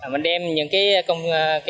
mình đem những công